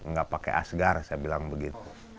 nggak pakai asgar saya bilang begitu